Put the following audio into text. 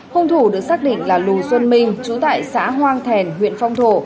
hùng thủ được xác định là lù xuân minh trú tại xã hoang thèn huyện phong thổ